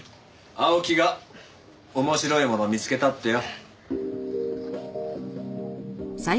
青木が面白いもの見つけたってよ。